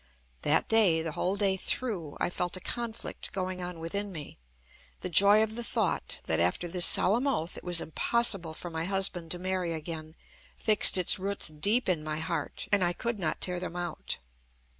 That day, the whole day through, I felt a conflict going on within me. The joy of the thought, that after this solemn oath it was impossible for my husband to marry again, fixed its roots deep in my heart, and I could not tear them out.